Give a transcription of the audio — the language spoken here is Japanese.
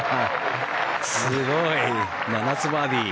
すごい！７つバーディー！